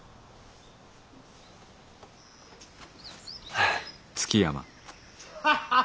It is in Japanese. はあ。